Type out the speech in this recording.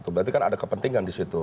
berarti kan ada kepentingan di situ